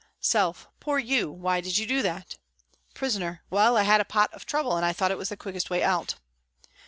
Self :" Poor you. Why did you do that ?" Prisoner :" Well, I had a pot of trouble and I thought it was the quickest way out."